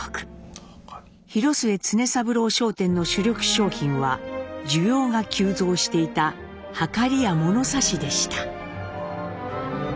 広末常三郎商店の主力商品は需要が急増していたはかりや物差しでした。